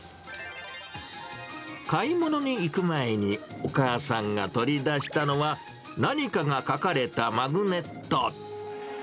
買い物に行く前に、お母さんが取り出したのは、何かが書かれたマグネット。